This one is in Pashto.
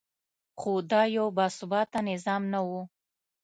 خو دا یو باثباته نظام نه و.